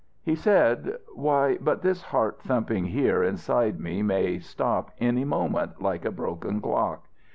He said: "Why but this heart thumping here inside me may stop any moment like a broken clock.